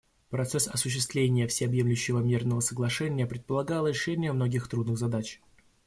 Процесс осуществления Всеобъемлющего мирного соглашения предполагал решение многих трудных задач.